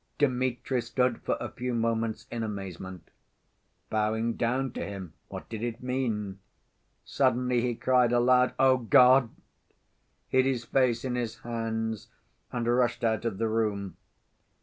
Dmitri stood for a few moments in amazement. Bowing down to him—what did it mean? Suddenly he cried aloud, "Oh, God!" hid his face in his hands, and rushed out of the room.